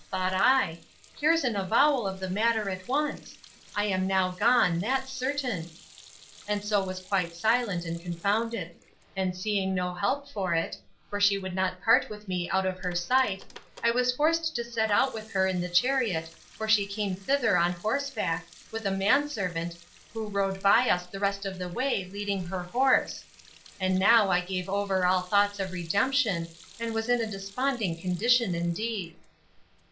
thought I; here's an avowal of the matter at once: I am now gone, that's certain. And so was quite silent and confounded; and seeing no help for it, (for she would not part with me out of her sight) I was forced to set out with her in the chariot for she came thither on horseback, with a man servant, who rode by us the rest of the way, leading her horse: and now I gave over all thoughts of redemption, and was in a desponding condition indeed.